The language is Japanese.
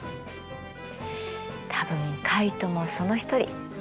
多分カイトもその一人。